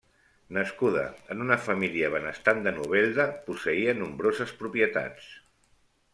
Nascuda en una família benestant de Novelda, posseïa nombroses propietats.